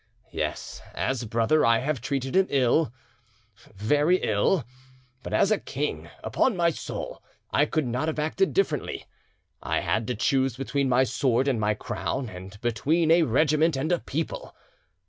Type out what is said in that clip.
Yes, as brother I have treated him ill—very ill, but as king, upon my soul, I could not have acted differently.... I had to choose between my sword and my crown, and between a regiment and a people.